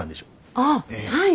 ああはい。